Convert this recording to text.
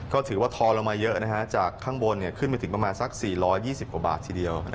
ก็ถือว่าทอลงมาเยอะจากข้างบนขึ้นไปถึงประมาณสัก๔๒๐กว่าบาททีเดียว